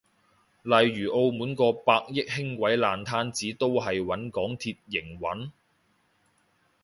例如澳門個百億輕軌爛攤子都係搵港鐵營運？